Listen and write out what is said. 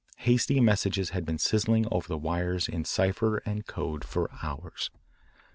Hasty messages had been sizzling over the wires in cipher and code for hours.